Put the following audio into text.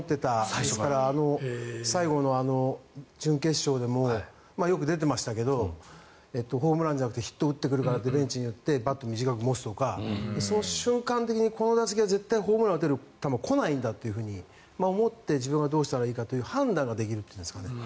ですから最後の準決勝でもよく出てましたけどホームランじゃなくてヒットを打ってくるからとベンチで言ってバットを短く持つとか瞬間的にこの打席は絶対にホームランを打てる球は来ないんだと思って自分はどうしたらいいかという判断ができるというんですかね